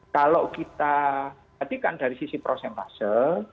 kalau kita perhatikan dari sisi prosentase